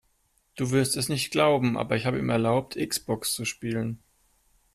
Du wirst es nicht glauben, aber ich habe ihm erlaubt X-Box zu spielen.